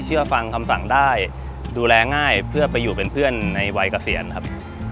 สวัสดีครับ